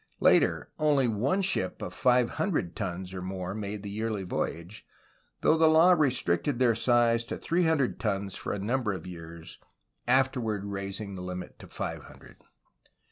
Later, only one ship of five hundred tons or more made the yearly voyage, though the law restricted their size to three hun THE MANILA GALLEON 87 dred tons for a number of years, afterward raising the limit to five hundred.